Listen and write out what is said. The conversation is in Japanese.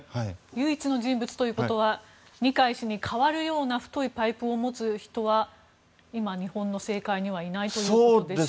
唯一の人物ということは二階氏に代わるような太いパイプを持つ人は今、日本の政界にはいないということでしょうか。